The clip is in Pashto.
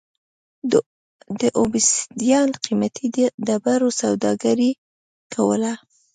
د اوبسیدیان قېمتي ډبرو سوداګري کوله.